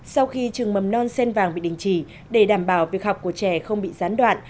sau khi trường mầm non sen vàng bị đình chỉ để đảm bảo việc học của trẻ không bị gián đoạn